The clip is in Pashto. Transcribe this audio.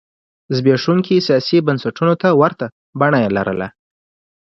زبېښونکو سیاسي بنسټونو ته ورته بڼه یې لرله.